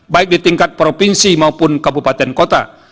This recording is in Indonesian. baik di tingkat provinsi maupun kabupaten kota